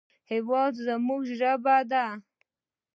هېواد زموږ ژبه ده